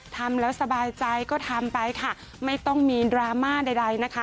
ทำและสบายใจก็ทำไปไม่ต้องมีดราม่าใด